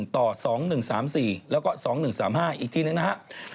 ๐๒๑๒๗๑๑๑๑ต่อ๒๑๓๔แล้วก็๒๑๓๕อีกทีนึงนะฮะ